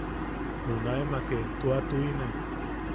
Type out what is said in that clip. Junaemake tua tuʼine.